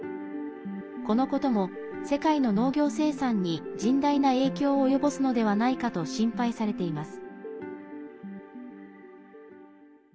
このことも世界の農業生産に甚大な影響を及ぼすのではないかと心配されています。